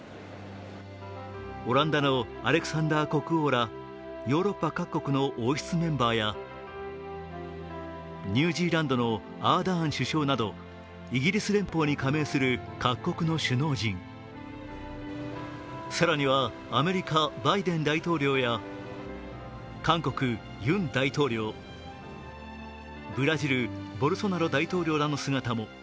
オランダのアレクサンダー国王らヨーロッパ各国の王室メンバーやニュージーランドのアーダーン首相などイギリス連邦に加盟する各国の首脳陣、更には、アメリカ・バイデン大統領や、韓国・ユン大統領、ブラジル・ボルソナロ大統領らの姿も。